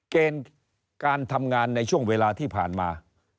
เกณฑ์การทำงานในช่วงเวลาที่ผ่านมา